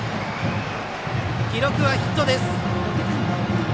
記録はヒットです。